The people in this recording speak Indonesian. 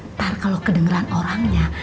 ntar kalau kedengeran orangnya